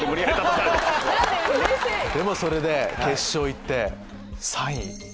でもそれで決勝行って３位！